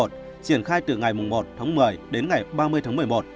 triển khai từ ngày một tháng một mươi đến ngày ba mươi tháng một mươi một